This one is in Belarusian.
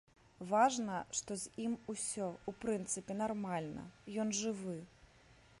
Важна, што з ім усё, у прынцыпе, нармальна, ён жывы.